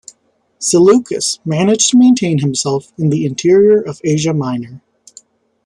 Seleucus managed to maintain himself in the interior of Asia Minor.